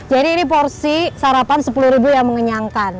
jadi ini porsi sarapan sepuluh yang mengenyangkan